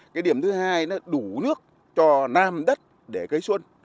cái điểm thứ hai nó đủ nước cho nam đất để cấy xuân